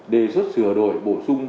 đề xuất sửa đổi bổ sung